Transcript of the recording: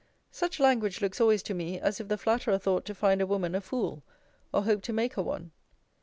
Such language looks always to me, as if the flatterer thought to find a woman a fool, or hoped to make her one.